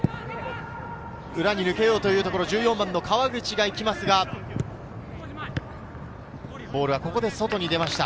裏に抜けようというところ、川口が行きますが、ボールはここで外に出ました。